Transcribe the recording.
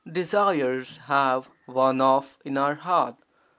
Desires have worn off in our heart.